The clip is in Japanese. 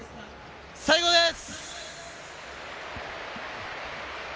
最高です！